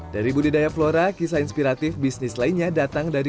dari budidaya flora kisah inspiratif bisnis lainnya datang dari